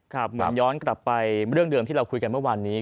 เหมือนย้อนกลับไปเรื่องเดิมที่เราคุยกันเมื่อวานนี้